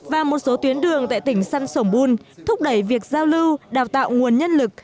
và một số tuyến đường tại tỉnh săn sổng bun thúc đẩy việc giao lưu đào tạo nguồn nhân lực